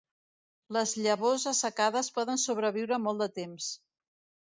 Les llavors assecades poden sobreviure molt de temps.